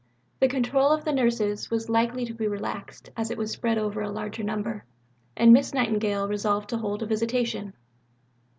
The control of the nurses was likely to be relaxed as it was spread over a larger number, and Miss Nightingale resolved to hold a Visitation.